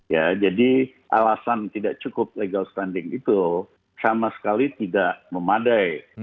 ya jadi alasan tidak cukup legal standing itu sama sekali tidak memadai